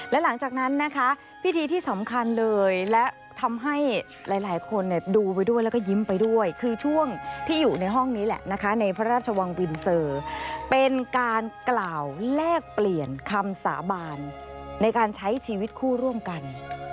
และหลังจากนั้นนะคะพิธีที่สำคัญเลยและทำให้หลายคนดูไปด้วยแล้วก็ยิ้มไปด้วยคือช่วงที่อยู่ในห้องนี้แหละนะคะในพระราชวังวินเซอร์เป็นการกล่าวแลกเปลี่ยนคำสาบานในการใช้ชีวิตคู่ร่วมกัน